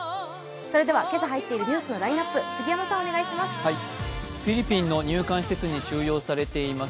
それでは、今朝入っているニュースのラインナップ、杉山さん、お願いします。